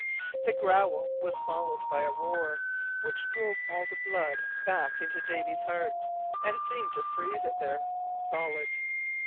The growl was followed by a roar, which drove all the blood back into Davy's heart, and seemed to freeze it there solid.